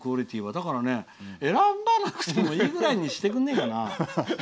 なので、選ばなくてもいいぐらいにしてくれないかな。